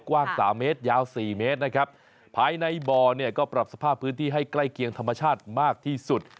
กว้างสามเมตรยาวสี่เมตรนะครับภายในบ่อเนี่ยก็ปรับสภาพพื้นที่ให้ใกล้เคียงธรรมชาติมากที่สุด